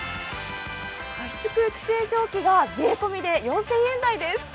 空気清浄機が税込みで４０００円台です。